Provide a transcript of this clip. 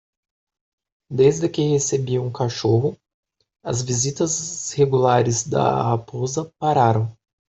Desde que recebi um cachorro?, as visitas regulares da raposa pararam.